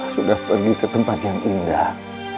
sudah pergi ke tempat yang indah